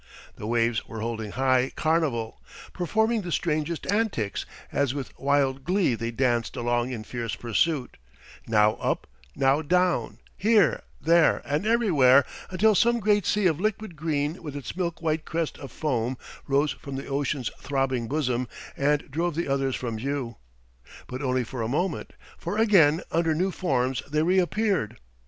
The waves were holding high carnival, performing the strangest antics, as with wild glee they danced along in fierce pursuit—now up, now down, here, there, and everywhere, until some great sea of liquid green with its milk white crest of foam rose from the ocean's throbbing bosom and drove the others from view. But only for a moment, for again under new forms they reappeared.